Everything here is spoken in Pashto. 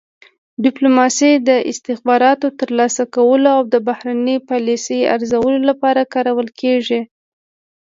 ډیپلوماسي د استخباراتو ترلاسه کولو او د بهرنۍ پالیسۍ ارزولو لپاره کارول کیږي